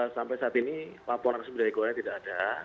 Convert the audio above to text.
sampai saat ini laporan sebenarnya tidak ada